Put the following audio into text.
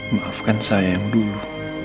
maafkan saya yang dulu